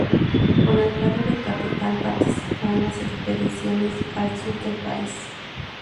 Con el grado de capitán participó en las expediciones al sur del país.